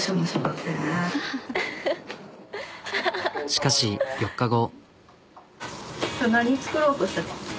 しかし４日後。